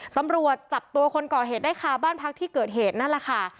ตำรวจจับตัวคนก่อเหตุได้ค่ะบ้านพักที่เกิดเหตุนั่นแหละค่ะ